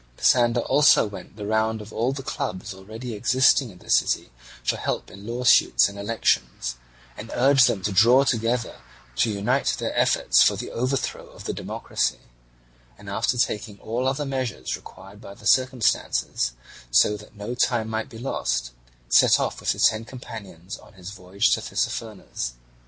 Pisander also went the round of all the clubs already existing in the city for help in lawsuits and elections, and urged them to draw together and to unite their efforts for the overthrow of the democracy; and after taking all other measures required by the circumstances, so that no time might be lost, set off with his ten companions on his voyage to Tissaphernes.